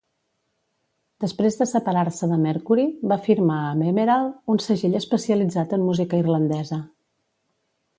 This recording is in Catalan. Després de separar-se de Mercury, va firmar amb "Emerald", un segell especialitzat en música irlandesa.